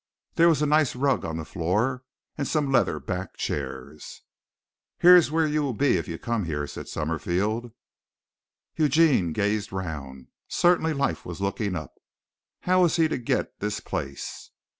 There was a nice rug on the floor and some leather backed chairs. "Here's where you will be if you come here," said Summerfield. Eugene gazed round. Certainly life was looking up. How was he to get this place?